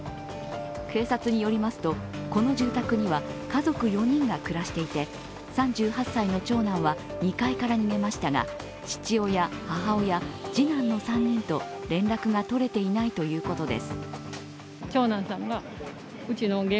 警察によりますと、この住宅には家族４人が暮らしていて３８歳の長男は２階から逃げましたが父親、母親、次男の３人と連絡がとれていないということです。